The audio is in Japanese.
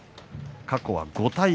過去は５対５。